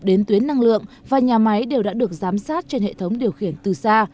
đến tuyến năng lượng và nhà máy đều đã được giám sát trên hệ thống điều khiển từ xa